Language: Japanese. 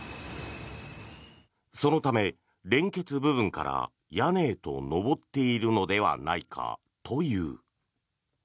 そのため、連結部分から屋根へと上っているのではないかという。